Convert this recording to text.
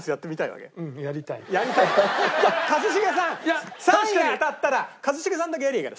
一茂さん３位が当たったら一茂さんだけやればいいから。